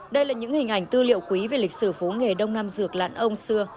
đây là những hình ảnh tư liệu quý về lịch sử phố nghề đông nam dược lãn ông xưa